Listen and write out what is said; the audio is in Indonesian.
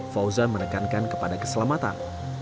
fauzan menekankan kepada keselamatan